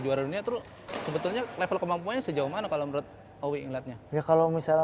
juara dunia terus sebetulnya level kemampuannya sejauh mana kalau menurut awalnya kalau misalnya